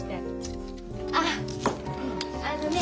あっうんあのね。